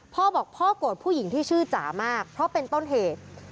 พ่อบอกพ่อโกรธผู้หญิงที่ชื่อจ๋ามากเพราะเป็นต้นเหตุ